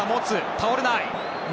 倒れない。